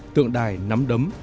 tượng đài nắm đấm